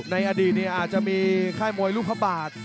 ในอดีตนี้อาจจะมีค่ายมวยรูปพระบาท